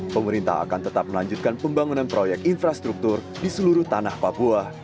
pemerintah akan tetap melanjutkan pembangunan proyek infrastruktur di seluruh tanah papua